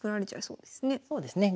そうですね。